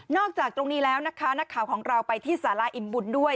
จากตรงนี้แล้วนะคะนักข่าวของเราไปที่สาราอิ่มบุญด้วย